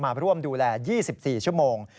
มาร่วมดูแล๒๔ชั่วโมง